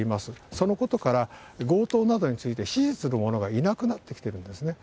そのことから、強盗などについて指示する者がいなくなってきてるんですね。